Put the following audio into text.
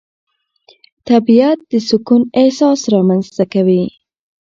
طبیعت د سکون احساس رامنځته کوي